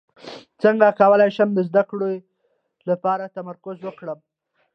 څنګه کولی شم د زده کړې لپاره تمرکز وکړم